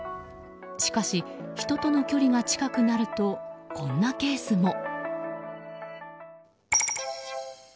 しかし、人との距離が近くなるとこんなケースも。